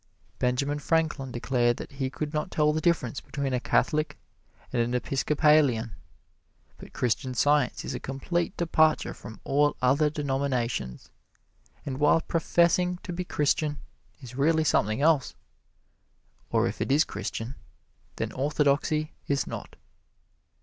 Benjamin Franklin declared that he could not tell the difference between a Catholic and an Episcopalian. But Christian Science is a complete departure from all other denominations, and while professing to be Christian, is really something else, or if it is Christian, then orthodoxy is not.